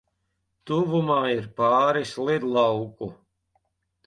Tuvumā ir pāris lidlauku.